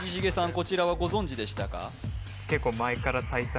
こちらはご存じでしたか？